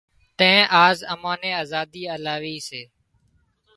تين آز امان نين آزادي الاوي سي